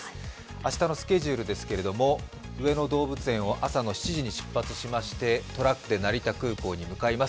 明日のスケジュールですけども、上野動物園を朝の７時に出発しましてトラックで成田空港に向かいます。